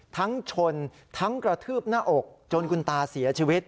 ทั้งชนทั้งกระทืบหน้าอกจนคุณตาเสียชีวิต